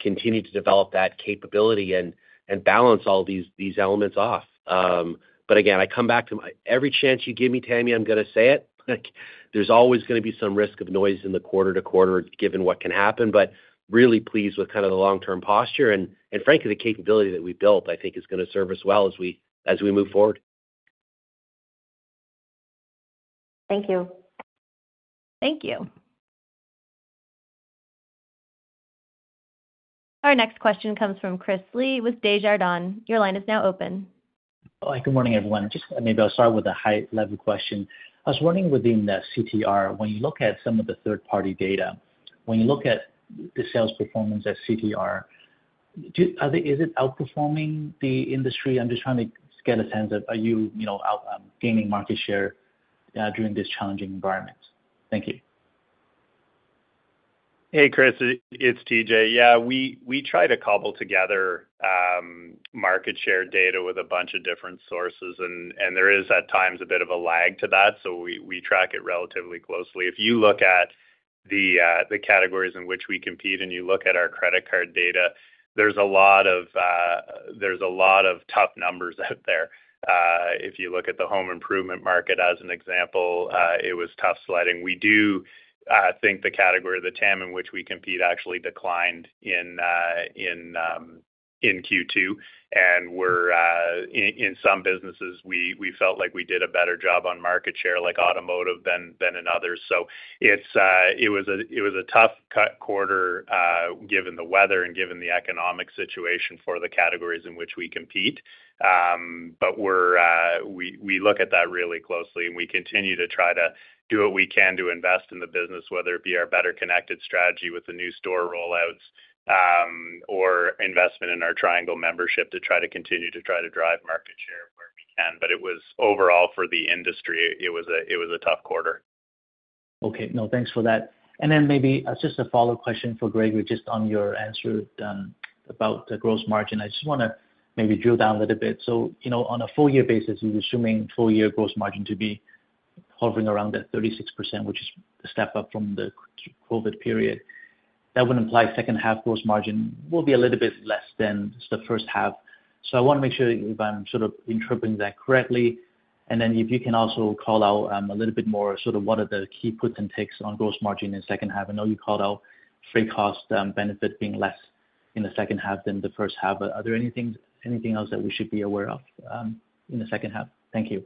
continue to develop that capability and balance all these elements off. But again, I come back to my... Every chance you give me, Tammy, I'm gonna say it. There's always gonna be some risk of noise in the quarter-to-quarter, given what can happen, but really pleased with kind of the long-term posture. And frankly, the capability that we built, I think, is gonna serve us well as we move forward. Thank you. Thank you. Our next question comes from Chris Lee with Desjardins. Your line is now open. Hi, good morning, everyone. Just maybe I'll start with a high-level question. I was wondering within the CTR, when you look at some of the third-party data, when you look at the sales performance at CTR, do they, is it outperforming the industry? I'm just trying to get a sense of, are you, you know, out, gaining market share during this challenging environment? Thank you. Hey, Chris, it's TJ. Yeah, we, we try to cobble together market share data with a bunch of different sources, and, and there is, at times, a bit of a lag to that, so we, we track it relatively closely. If you look at the, the categories in which we compete, and you look at our credit card data, there's a lot of, there's a lot of tough numbers out there. If you look at the home improvement market, as an example, it was tough sledding. We do think the category of the TAM in which we compete actually declined in Q2. And we're in some businesses, we felt like we did a better job on market share, like automotive, than in others. So it was a tough quarter, given the weather and given the economic situation for the categories in which we compete. But we're, we look at that really closely, and we continue to try to do what we can to invest in the business, whether it be our better connected strategy with the new store rollouts, or investment in our Triangle membership, to try to continue to drive market share where we can. But it was overall for the industry, it was a tough quarter. Okay. No, thanks for that. Then maybe just a follow question for Gregory, just on your answer about the gross margin. I just wanna maybe drill down a little bit. So, you know, on a full year basis, you're assuming full year gross margin to be hovering around the 36%, which is a step up from the post-COVID period. That would imply second half gross margin will be a little bit less than the first half. So I want to make sure if I'm sort of interpreting that correctly, and then if you can also call out a little bit more, sort of what are the key puts and takes on gross margin in second half. I know you called out freight cost benefit being less in the second half than the first half, but are there anything else that we should be aware of in the second half? Thank you....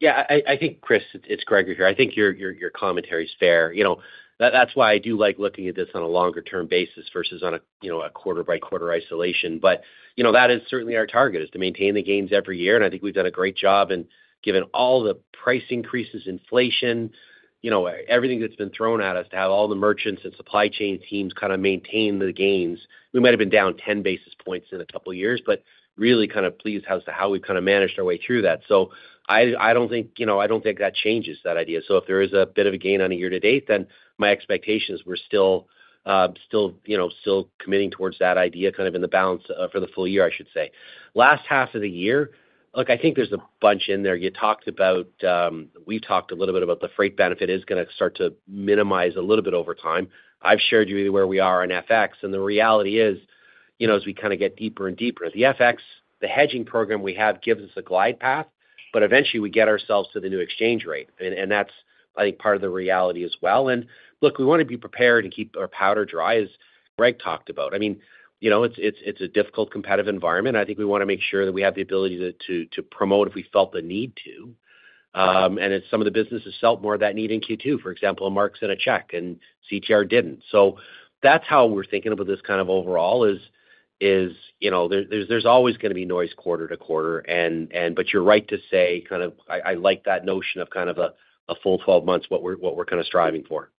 Yeah, I think, Chris, it's Gregory here. I think your commentary is fair. You know, that's why I do like looking at this on a longer-term basis versus on a, you know, a quarter-by-quarter isolation. But, you know, that is certainly our target, is to maintain the gains every year, and I think we've done a great job in giving all the price increases, inflation, you know, everything that's been thrown at us, to have all the merchants and supply chain teams kind of maintain the gains. We might have been down 10 basis points in a couple of years, but really kind of pleased as to how we've kind of managed our way through that. So I don't think, you know, I don't think that changes that idea. So if there is a bit of a gain on a year-to-date, then my expectation is we're still still, you know, still committing towards that idea, kind of in the balance for the full year, I should say. Last half of the year, look, I think there's a bunch in there. You talked about. We've talked a little bit about the freight benefit is gonna start to minimize a little bit over time. I've shared you where we are on FX, and the reality is, you know, as we kind of get deeper and deeper, the FX, the hedging program we have gives us a glide path, but eventually we get ourselves to the new exchange rate, and, and that's, I think, part of the reality as well. And look, we want to be prepared and keep our powder dry, as Greg talked about. I mean, you know, it's a difficult, competitive environment. I think we wanna make sure that we have the ability to promote if we felt the need to. And in some of the businesses felt more of that need in Q2, for example, Mark's and Sport Chek, and CTR didn't. So that's how we're thinking about this kind of overall is, you know, there's always gonna be noise quarter to quarter, and but you're right to say kind of... I like that notion of kind of a full twelve months, what we're kind of striving for.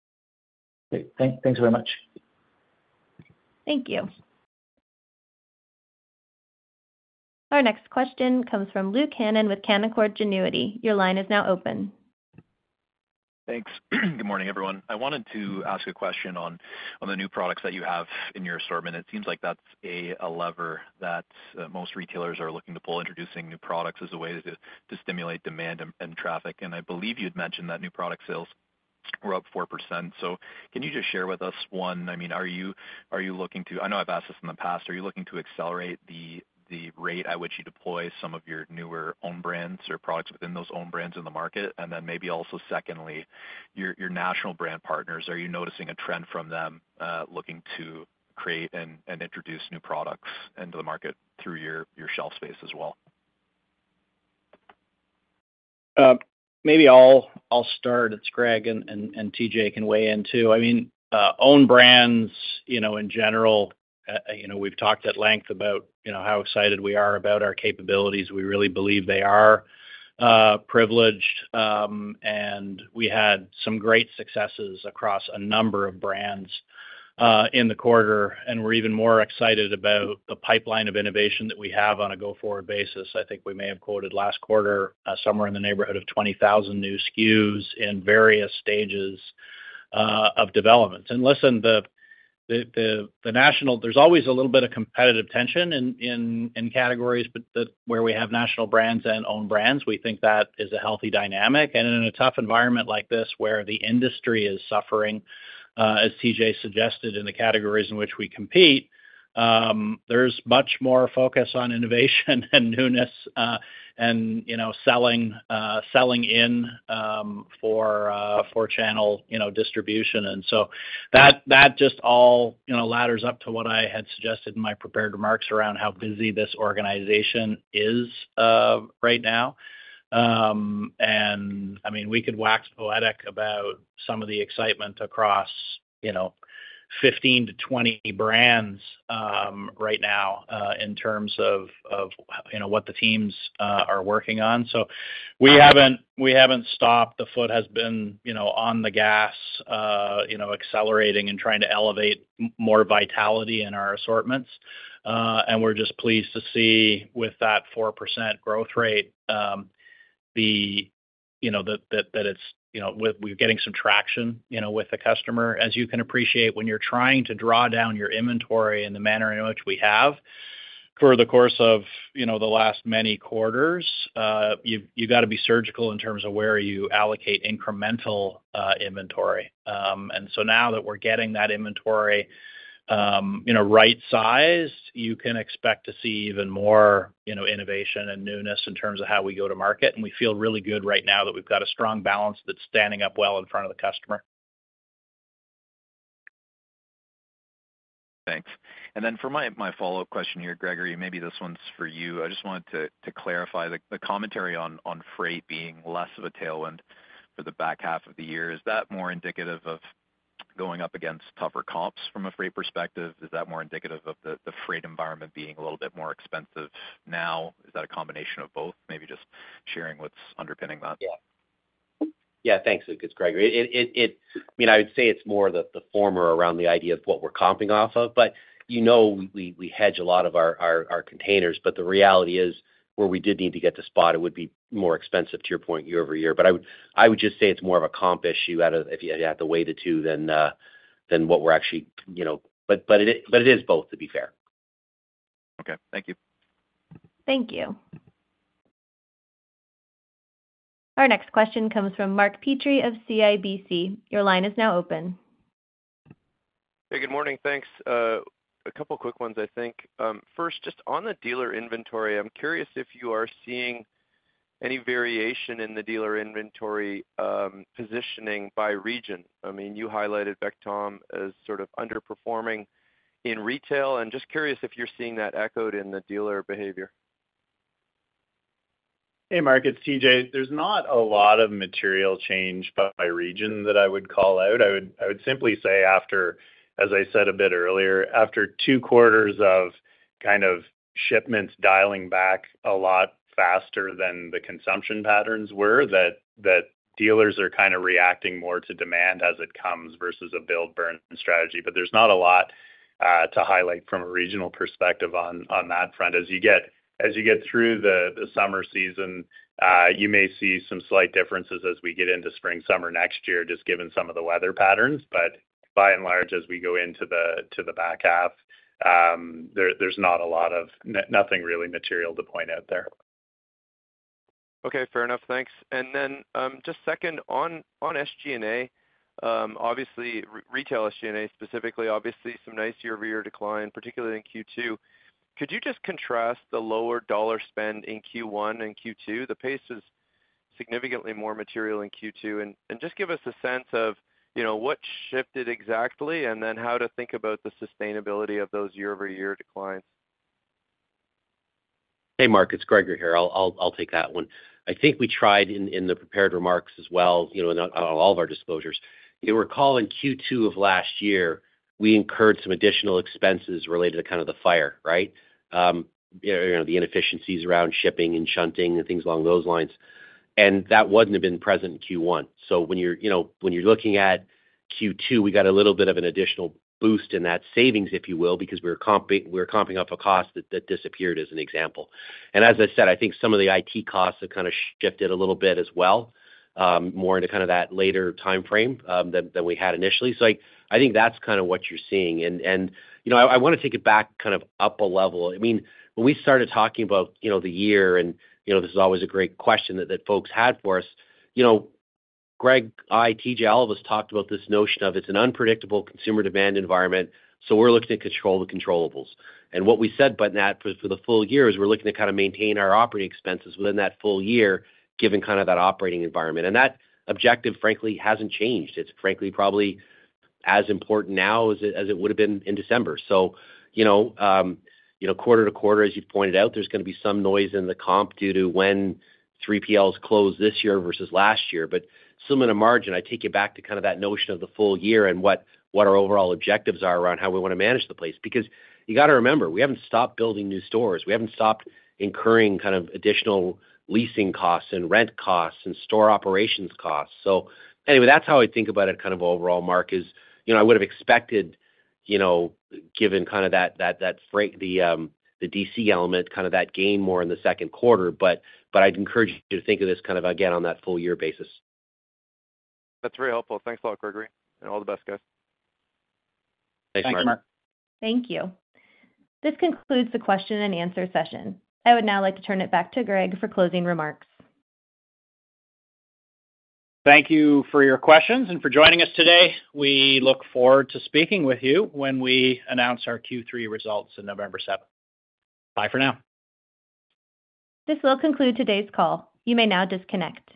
Great. Thanks very much. Thank you. Our next question comes from Luke Hannan with Canaccord Genuity. Your line is now open. Thanks. Good morning, everyone. I wanted to ask a question on the new products that you have in your assortment. It seems like that's a lever that most retailers are looking to pull, introducing new products as a way to stimulate demand and traffic. And I believe you'd mentioned that new product sales were up 4%. So can you just share with us, one, I mean, are you looking to... I know I've asked this in the past, are you looking to accelerate the rate at which you deploy some of your newer own brands or products within those own brands in the market? And then maybe also, secondly, your national brand partners, are you noticing a trend from them looking to create and introduce new products into the market through your shelf space as well? Maybe I'll start. It's Greg, and TJ can weigh in, too. I mean, own brands, you know, in general, you know, we've talked at length about, you know, how excited we are about our capabilities. We really believe they are privileged, and we had some great successes across a number of brands in the quarter, and we're even more excited about the pipeline of innovation that we have on a go-forward basis. I think we may have quoted last quarter, somewhere in the neighborhood of 20,000 new SKUs in various stages of development. And listen, there's always a little bit of competitive tension in categories, but where we have national brands and own brands. We think that is a healthy dynamic. In a tough environment like this, where the industry is suffering, as TJ suggested, in the categories in which we compete, there's much more focus on innovation and newness, and, you know, selling in for channel, you know, distribution. So that just all, you know, ladders up to what I had suggested in my prepared remarks around how busy this organization is, right now. I mean, we could wax poetic about some of the excitement across, you know, 15-20 brands, right now, in terms of what the teams are working on. So we haven't stopped. The foot has been, you know, on the gas, you know, accelerating and trying to elevate more vitality in our assortments. And we're just pleased to see with that 4% growth rate, you know, that it's, you know, we're getting some traction, you know, with the customer. As you can appreciate, when you're trying to draw down your inventory in the manner in which we have for the course of, you know, the last many quarters, you've got to be surgical in terms of where you allocate incremental inventory. And so now that we're getting that inventory, you know, right-sized, you can expect to see even more, you know, innovation and newness in terms of how we go to market. And we feel really good right now that we've got a strong balance that's standing up well in front of the customer. Thanks. And then for my follow-up question here, Gregory, maybe this one's for you. I just wanted to clarify the commentary on freight being less of a tailwind for the back half of the year. Is that more indicative of going up against tougher comps from a freight perspective? Is that more indicative of the freight environment being a little bit more expensive now? Is that a combination of both? Maybe just sharing what's underpinning that. Yeah. Yeah, thanks, Luke. It's Gregory. It—I mean, I would say it's more the former around the idea of what we're comping off of, but you know, we hedge a lot of our containers, but the reality is, where we did need to get the spot, it would be more expensive, to your point, year-over-year. But I would just say it's more of a comp issue out of—if you had to weigh the two, than what we're actually, you know. But it is both, to be fair. Okay. Thank you. Thank you. Our next question comes from Mark Petrie of CIBC. Your line is now open. Hey, good morning. Thanks. A couple quick ones, I think. First, just on the dealer inventory, I'm curious if you are seeing any variation in the dealer inventory positioning by region. I mean, you highlighted VECTOM as sort of underperforming in retail, and just curious if you're seeing that echoed in the dealer behavior? Hey, Mark, it's TJ. There's not a lot of material change by region that I would call out. I would, I would simply say after, as I said a bit earlier, after two quarters of kind of shipments dialing back a lot faster than the consumption patterns were, that, that dealers are kind of reacting more to demand as it comes versus a build burn strategy. But there's not a lot to highlight from a regional perspective on, on that front. As you get, as you get through the, the summer season, you may see some slight differences as we get into spring, summer next year, just given some of the weather patterns. But by and large, as we go into the, to the back half, there, there's not a lot of nothing really material to point out there. Okay, fair enough. Thanks. And then, just second, on SG&A, obviously, retail SG&A, specifically, obviously, some nice year-over-year decline, particularly in Q2. Could you just contrast the lower dollar spend in Q1 and Q2? The pace is significantly more material in Q2. And just give us a sense of, you know, what shifted exactly, and then how to think about the sustainability of those year-over-year declines. Hey, Mark, it's Gregory here. I'll take that one. I think we tried in the prepared remarks as well, you know, in all of our disclosures. You recall, in Q2 of last year, we incurred some additional expenses related to kind of the fire, right? You know, the inefficiencies around shipping and shunting and things along those lines. And that wouldn't have been present in Q1. So when you're, you know, when you're looking at Q2, we got a little bit of an additional boost in that savings, if you will, because we're comping, we're comping up a cost that disappeared, as an example. And as I said, I think some of the IT costs have kinda shifted a little bit as well, more into kind of that later timeframe than we had initially. So like, I think that's kind of what you're seeing. And, you know, I wanna take it back kind of up a level. I mean, when we started talking about, you know, the year, and, you know, this is always a great question that folks had for us, you know, Greg, I, TJ, all of us talked about this notion of it's an unpredictable consumer demand environment, so we're looking to control the controllables. And what we said, but not for the full year, is we're looking to kind of maintain our operating expenses within that full year, given kind of that operating environment. And that objective, frankly, hasn't changed. It's frankly, probably as important now as it would've been in December. So, you know, quarter to quarter, as you've pointed out, there's gonna be some noise in the comp due to when 3PLs closed this year versus last year. But similar to margin, I take you back to kind of that notion of the full year and what our overall objectives are around how we wanna manage the place. Because you gotta remember, we haven't stopped building new stores. We haven't stopped incurring kind of additional leasing costs and rent costs and store operations costs. So anyway, that's how I think about it kind of overall, Mark, is, you know, I would've expected, you know, given kind of that, the DC element, kind of that gain more in the second quarter, but I'd encourage you to think of this kind of, again, on that full year basis. That's very helpful. Thanks a lot, Gregory, and all the best, guys. Thanks, Mark. Thank you, Mark. Thank you. This concludes the question and answer session. I would now like to turn it back to Greg for closing remarks. Thank you for your questions and for joining us today. We look forward to speaking with you when we announce our Q3 results on November seventh. Bye for now. This will conclude today's call. You may now disconnect.